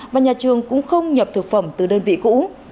và nhà trường cũng không nhập thực phẩm từ đơn vị cũ